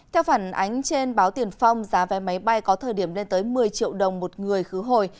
theo phản ánh trên báo tiền phong giá vé máy bay có thời điểm lên tới một mươi triệu đồng một người khứ hồi